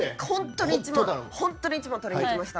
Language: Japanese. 本当に一番取りにきました。